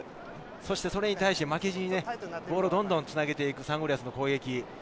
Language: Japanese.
そして、それに対して負けじとボールをどんどんつなげていくサンゴリアスの攻撃。